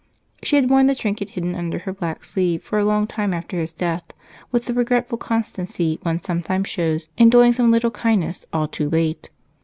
She had worn the trinket hidden under her black sleeve for a long time after his death, with the regretful constancy one sometimes shows in doing some little kindness all too late.